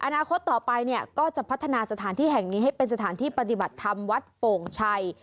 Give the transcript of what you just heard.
อนาคตต่อไปเนี่ยก็จะพัฒนาสถานที่แห่งนี้ให้เป็นสถานที่ปฏิบัติธรรมวัดโป่งชัย